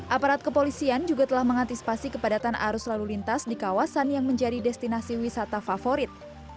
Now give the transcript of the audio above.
aparat kepolisian juga telah mengantisipasi kepadatan arus lalu lintas di kawasan yang menjadi destinasi wisata favorit